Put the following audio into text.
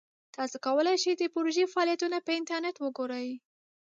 تاسو کولی شئ د پروژې فعالیتونه په انټرنیټ وګورئ.